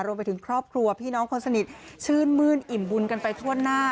รวมไปถึงครอบครัวพี่น้องคนสนิทชื่นมื้นอิ่มบุญกันไปทั่วหน้า